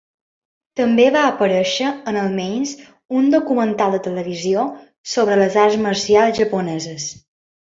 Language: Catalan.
També va aparèixer en al menys un documental de televisió sobre les arts marcials japoneses.